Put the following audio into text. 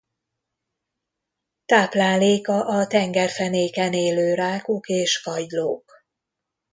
Tápláléka a tengerfenéken élő rákok és kagylók.